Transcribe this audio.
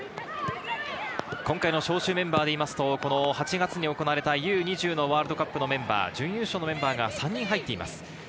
今回招集メンバーで言うと、８月に行われたＵ−２０ワールドカップのメンバー、準優勝のメンバーが３人入っています。